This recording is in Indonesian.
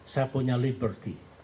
saya punya liberty